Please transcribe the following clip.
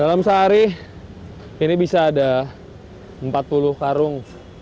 dalam sehari ini bisa ada empat puluh karung